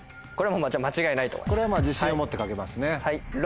これは自信を持って書けますね。